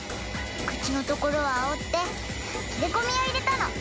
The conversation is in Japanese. くちのところはおってきれこみをいれたの。